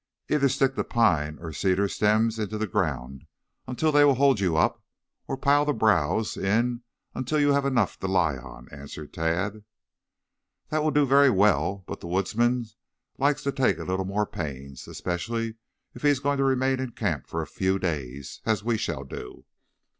"Either stick the pine or cedar stems into the ground until they will hold you up, or pile the browse in until you have enough to lie on," answered Tad. "That will do very well, but the woodsman likes to take a little more pains, especially if he is going to remain in camp for a few days, as we shall do."